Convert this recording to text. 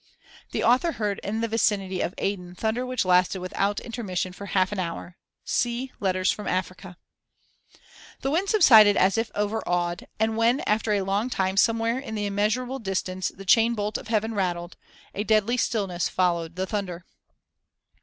*[* The author heard in the vicinity of Aden thunder which lasted without intermission for half an hour. See "Letters from Africa."] The wind subsided as if overawed, and when after a long time somewhere in the immeasurable distance the chain bolt of heaven rattled, a deadly stillness followed the thunder.